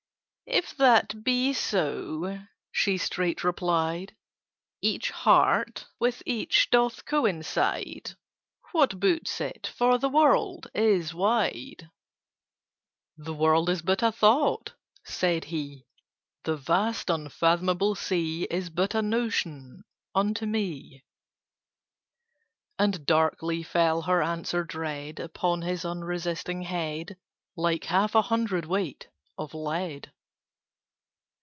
"If that be so," she straight replied, "Each heart with each doth coincide. What boots it? For the world is wide." [Picture: He faltered "Gifts may pass away"] "The world is but a Thought," said he: "The vast unfathomable sea Is but a Notion—unto me." And darkly fell her answer dread Upon his unresisting head, Like half a hundredweight of lead.